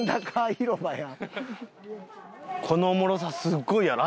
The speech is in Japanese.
このおもろさすごいやろ。